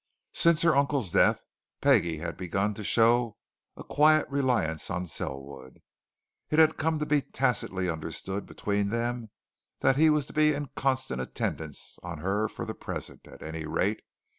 Since her uncle's death, Peggie had begun to show a quiet reliance on Selwood. It had come to be tacitly understood between them that he was to be in constant attendance on her for the present, at any rate.